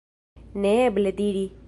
Neeble diri.